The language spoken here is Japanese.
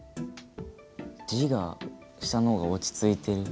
字が下の方が落ち着いてる。